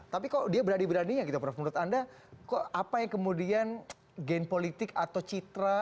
tapi kok dia berani beraninya gitu prof menurut anda kok apa yang kemudian gain politik atau citra